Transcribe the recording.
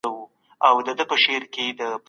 ولي شل دقیقې خوب د ذهني ستړیا لپاره کافي دی؟